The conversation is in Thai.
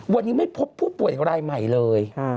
วันนี้ไม่พบผู้ป่วยรายใหม่เลย